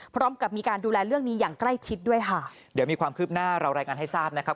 พร้อมกับมีการดูแลเรื่องนี้อย่างใกล้ชิดด้วยค่ะเดี๋ยวมีความคืบหน้าเรารายงานให้ทราบนะครับ